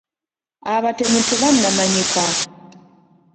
Abatemu tebannamanyika.